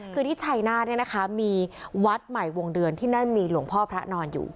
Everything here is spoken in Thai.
คือที่ชัยนาธเนี่ยนะคะมีวัดใหม่วงเดือนที่นั่นมีหลวงพ่อพระนอนอยู่